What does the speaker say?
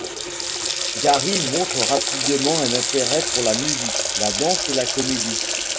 Gary montre rapidement un intérêt pour la musique, la danse et la comédie.